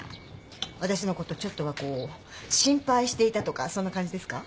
私のことちょっとはこう心配していたとかそんな感じですか？